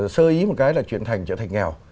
sơ ý một cái là chuyển thành trở thành nghèo